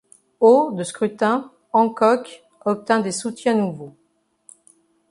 Au de scrutin, Hancock obtint des soutiens nouveaux.